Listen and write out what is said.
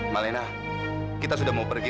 malena kita sudah mau pergi